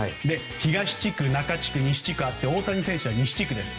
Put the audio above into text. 東地区、中地区、西地区とあって大谷選手は西地区です。